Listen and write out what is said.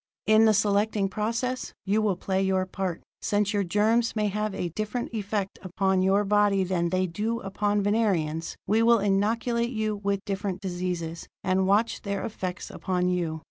"In the selecting process, you will play your part. Since our germs may have a different effect upon your bodies than they do upon Venerians, we will inoculate you with different diseases, and watch their effects upon you.